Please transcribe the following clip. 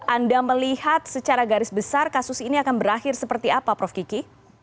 anda melihat secara garis besar kasus ini akan berakhir seperti apa prof kiki